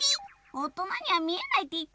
おとなにはみえないっていったじゃん。